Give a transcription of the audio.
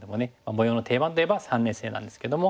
模様の定番といえば三連星なんですけども。